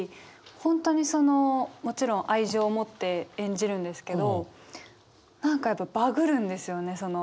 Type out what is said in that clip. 本当にそのもちろん愛情を持って演じるんですけど何かやっぱバグるんですよねその。